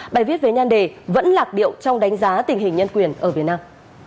bài viết về nhan đề vẫn lạc điệu trong đánh giá tình hình nhân quyền ở việt nam